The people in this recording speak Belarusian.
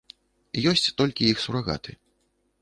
Ёсць толькі іх сурагаты.